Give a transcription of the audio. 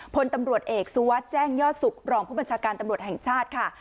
พลตำรวจเอกสุวัสดิ์แจ้งยอดสุขรองผู้บัญชาการตำรวจแห่งชาติค่ะ